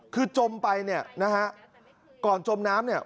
คือจมไปนะฮะก่อนจมน้ำนี่